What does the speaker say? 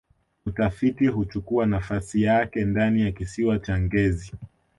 utafiti huchukua nafasi yake ndani ya kisiwa cha ngezi